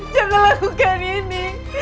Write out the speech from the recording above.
jangan lakukan ini